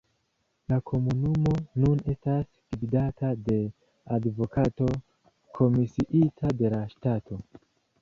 La komunumo nun estas gvidata de advokato komisiita de la ŝtato.